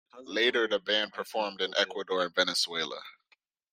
Later, the band performed in Ecuador and Venezuela.